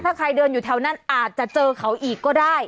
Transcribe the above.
ถ้าใครเดินอยู่แถวนั้นอาจจะเจอเขาอีกก็ได้